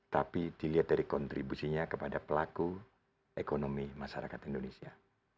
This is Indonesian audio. tapi dilihat dari kontribusinya kepada pelaku ekonomi masyarakat indonesia